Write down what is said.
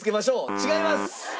違います！